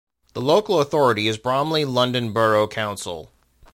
The local authority is Bromley London Borough Council.